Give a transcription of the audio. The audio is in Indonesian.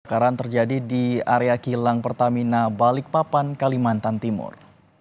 kebakaran terjadi di area kilang pertamina balikpapan kalimantan timur